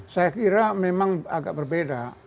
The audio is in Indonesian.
saya kira memang agak berbeda